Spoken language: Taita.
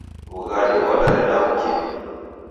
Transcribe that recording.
W'ughadi ghwadareda w'ukiw'a